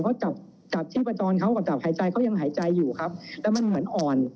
เพราะกับจับชี้ประจอนเค้ากับถัดหายใจเขายังหายใจอยู่ครับแต่มันเหมือนอ่อน